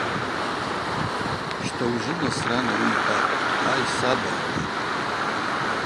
Щта, ужвы Насран ауи йхӏватӏ: Ай саба! — йхӏватӏ.